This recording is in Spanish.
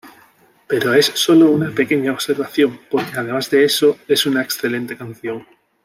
Pero es sólo una pequeña observación, porque, además de eso, es una excelente canción".